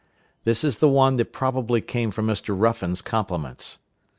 This is the one that probably came with Mr. Ruffin's compliments.